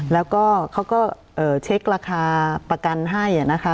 แล้วก็เขาก็เช็คราคาประกันให้นะคะ